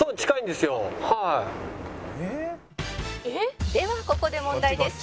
「ではここで問題です」